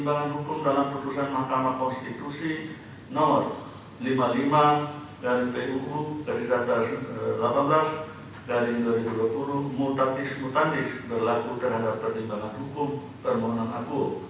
mutatis mutatis berlaku terhadap pertimbangan hukum permohonan aku